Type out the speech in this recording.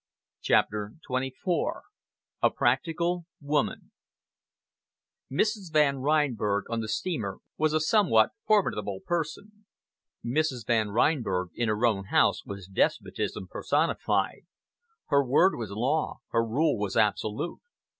CHAPTER XXIV A PRACTICAL WOMAN Mrs. Van Reinberg on the steamer was a somewhat formidable person; Mrs. Van Reinberg in her own house was despotism personified. Her word was law, her rule was absolute.